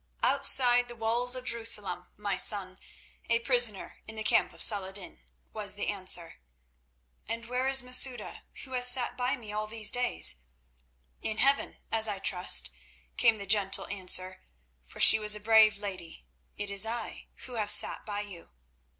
"Outside the walls of Jerusalem, my son, a prisoner in the camp of Saladin," was the answer. "And where is Masouda, who has sat by me all these days?" "In heaven, as I trust," came the gentle answer, "for she was a brave lady. It is I who have sat by you."